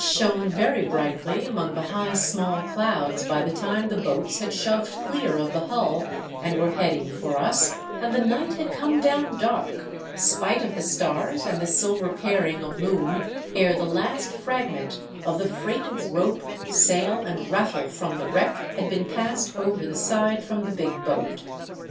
3 I I shone very brightly among the high small clouds by the time the boats had shoved clear of the hull and were heading for us, and the night had come down dark, spite of the stars and the silver paring of moon, ere the last fragment of the freight of rope, sail and raffle from the wreck had been passed over the side from the big boat.